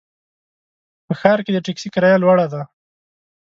په ښار کې د ټکسي کرایه لوړه ده.